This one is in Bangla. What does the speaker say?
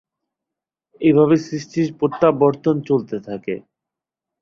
এভাবে সৃষ্টির প্রত্যাবর্তন চলতে থাকে।